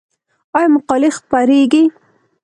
آیا مقالې خپریږي؟